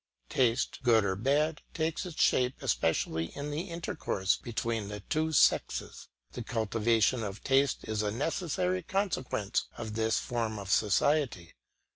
Taste, good or bad, takes its shape especially in the intercourse between the two sexes; the cultivation of taste is a necessary consequence of this form of society.